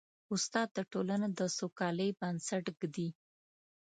استاد د ټولنې د سوکالۍ بنسټ ږدي.